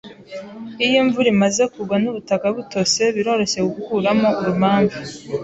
Iyo imvura imaze kugwa nubutaka butose, biroroshye gukuramo urumamfu.